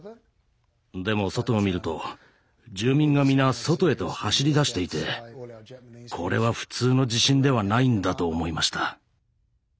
でも外を見ると住民が皆外へと走り出していてこれは普通の地震ではないんだと思いました。